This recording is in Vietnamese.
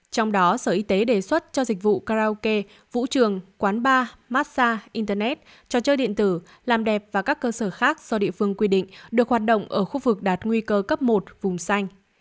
trong đó sở y tế đề xuất cho dịch vụ karaoke vũ trường quán bar massage internet trò chơi điện tử làm đẹp và các cơ sở khác do địa phương quy định được hoạt động ở khu vực đạt nguy cơ cấp một vùng xanh